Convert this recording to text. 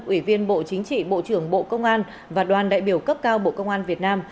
ủy viên bộ chính trị bộ trưởng bộ công an và đoàn đại biểu cấp cao bộ công an việt nam